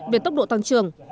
về tốc độ tăng trưởng